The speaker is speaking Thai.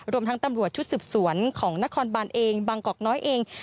รวมทั้งตำรวจชุดสืบสวนของนครบานเองบางกอกน้อยเอง